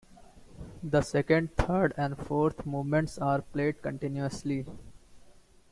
The second, third and fourth movements are played continuously.